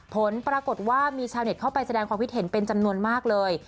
ผลปรากฏว่ามีชาวเน็ตเข้าไปแสดงความคิดเห็นเป็นจำนวนมากเลย